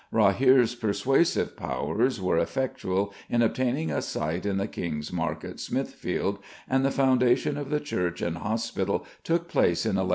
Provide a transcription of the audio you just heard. Rahere's persuasive powers were effectual in obtaining a site in the King's Market, Smithfield, and the foundation of the church and hospital took place in 1123.